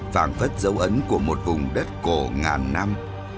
vàng phất dấu ấn của một vùng đất cổ ngàn năm